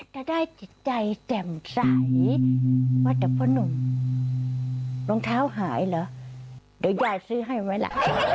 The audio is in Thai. จะได้จิตใจแจ่มใสว่าแต่พ่อหนุ่มรองเท้าหายเหรอเดี๋ยวยายซื้อให้ไว้ล่ะ